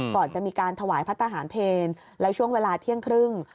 ก่อนจะมีการถวายพระทหารเพลแล้วช่วงเวลาเที่ยงครึ่ง